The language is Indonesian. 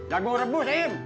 jagung rebus em